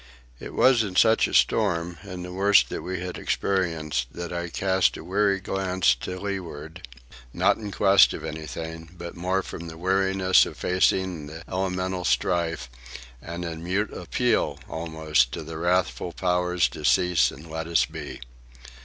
It was in such a storm, and the worst that we had experienced, that I cast a weary glance to leeward, not in quest of anything, but more from the weariness of facing the elemental strife, and in mute appeal, almost, to the wrathful powers to cease and let us be.